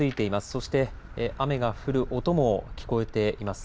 そして雨が降る音も聞こえています。